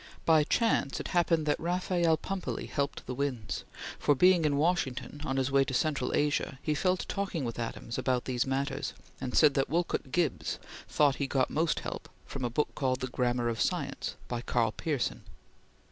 By chance it happened that Raphael Pumpelly helped the winds; for, being in Washington on his way to Central Asia he fell to talking with Adams about these matters, and said that Willard Gibbs thought he got most help from a book called the "Grammar of Science," by Karl Pearson.